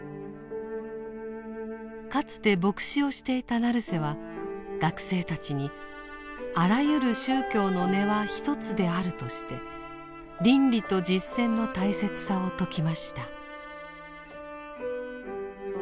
かつて牧師をしていた成瀬は学生たちにあらゆる宗教の根は一つであるとして倫理と実践の大切さを説きました。